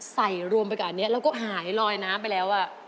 ใส่รวมไปกับอันนี้แล้วก็หายลอยน้ำไปแล้ว